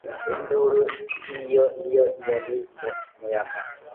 Induru nkinyoninyoni mu muyaga